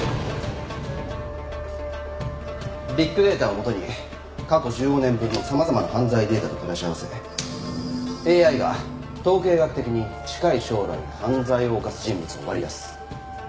ビッグデータを基に過去１５年分の様々な犯罪データと照らし合わせＡＩが統計学的に近い将来犯罪を犯す人物を割り出す。